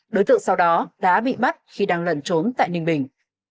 đối tượng sau đó đã bị bắt khi đang lẩn trốn tại ninh bình